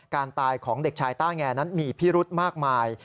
การตายของเด็กชายต้าแงนั้นมีพิรุธมากมาย